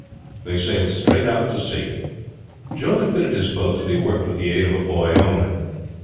They sailed straight out to sea. Joe had fitted his boat to be worked with the aid of a boy only.